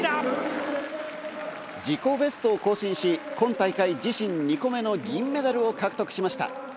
自己ベストを更新し、今大会自身２個目の銀メダルを獲得しました。